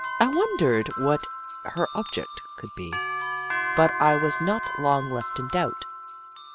I wondered what her object could be, but I Snoof 11 was not long left in doubt.